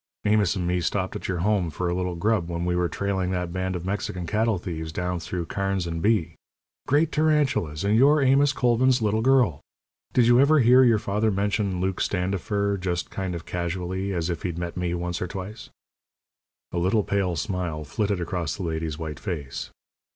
Amos and me stopped at your home for a little grub when we were trailing that band of Mexican cattle thieves down through Karnes and Bee. Great tarantulas! and you're Amos Colvin's little girl! Did you ever hear your father mention Luke Standifer just kind of casually as if he'd met me once or twice?" A little pale smile flitted across the lady's white face.